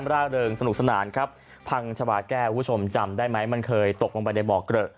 ร่าเริงสนุกสนานครับพังชาวาแก้วคุณผู้ชมจำได้ไหมมันเคยตกลงไปในบ่อเกลอะ